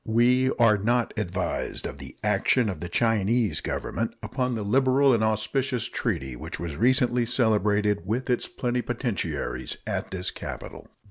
We are not advised of the action of the Chinese Government upon the liberal and auspicious treaty which was recently celebrated with its plenipotentiaries at this capital.